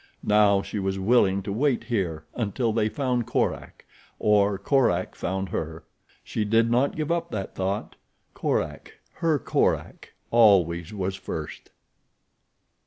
Now she was willing to wait here until they found Korak, or Korak found her. She did not give up that thought—Korak, her Korak always was first.